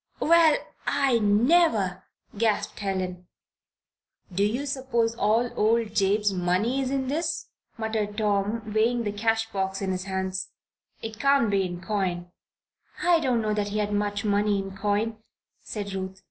"Well, I never!" gasped Helen. "Do you suppose all old Jabe's money is in this?" muttered Tom, weighing the cash box in his hands. "It can't be in coin." "I do not know that he had much money in coin," said Ruth.